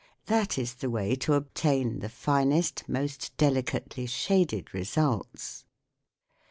That is the way to obtain the finest, most delicately shaded results.